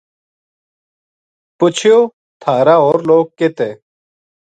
پُچھیو تھار ا ہور لوک کِت ہے۔